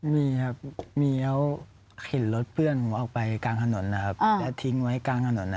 มีครับมีเขาเห็นรถเพื่อนผมออกไปกลางถนนนะครับแล้วทิ้งไว้กลางถนน